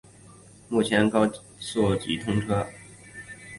目前京台高速公路的北京至福州段均已通车。